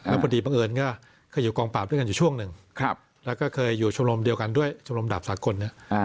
แล้วพอดีบังเอิญก็เคยอยู่กองปราบด้วยกันอยู่ช่วงหนึ่งแล้วก็เคยอยู่ชมรมเดียวกันด้วยชมรมดาบสากลเนี่ย